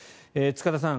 塚田さん